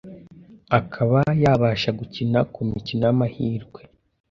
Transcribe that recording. ’ akaba yabasha gukina ku mikino y’amahirwe